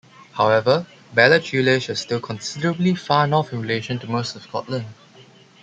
However, Ballachulish is still considerably far North in relation to most of Scotland.